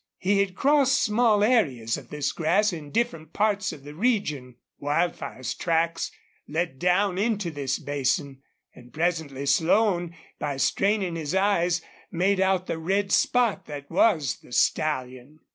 He had crossed small areas of this grass in different parts of the region. Wildfire's tracks led down into this basin, and presently Slone, by straining his eyes, made out the red spot that was the stallion.